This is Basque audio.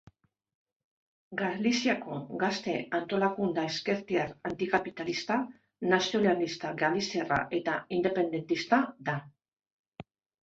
Galiziako gazte antolakunde ezkertiar antikapitalista, nazionalista galiziarra eta independentista da.